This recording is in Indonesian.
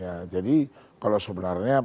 ya jadi kalau sebenarnya masih banyak